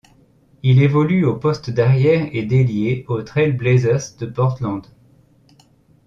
Il évolue aux postes d’arrière et d'ailier aux Trail Blazers de Portland.